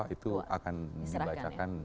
itu akan dibacakan